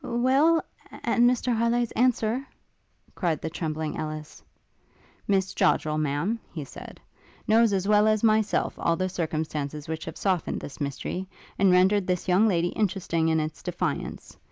'Well? and Mr Harleigh's answer? ' cried the trembling Ellis. 'Miss Joddrel, Madam, he said, knows as well as myself, all the circumstances which have softened this mystery, and rendered this young lady interesting in its defiance.